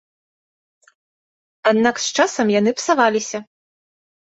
Аднак з часам яны псаваліся.